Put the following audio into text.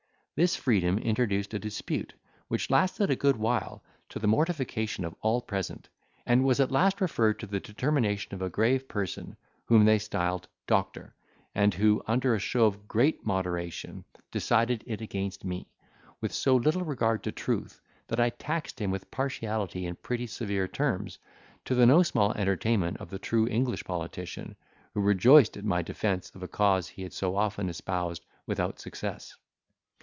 This freedom introduced a dispute, which lasted a good while, to the mortification of all present; and was at last referred to the determination of a grave person, whom they styled Doctor, and who, under a show of great moderation, decided it against me, with so little regard to truth, that I taxed him with partiality in pretty severe terms, to the no small entertainment of the true English politician, who rejoiced at my defence of a cause he had so often espoused without success.